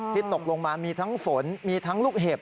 ตกลงมามีทั้งฝนมีทั้งลูกเห็บ